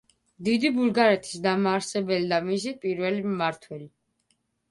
დიდი ბულგარეთის დამაარსებელი და მისი პირველი მმართველი.